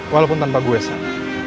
walaupun tanpa gue shay